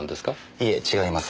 いいえ違います。